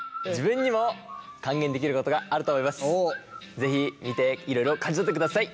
是非見ていろいろ感じ取ってください。